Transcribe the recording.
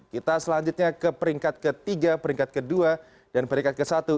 kita selanjutnya ke peringkat ketiga peringkat kedua dan peringkat ke satu